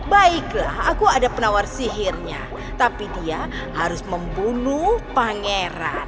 baiklah aku ada penawar sihirnya tapi dia harus membunuh pangeran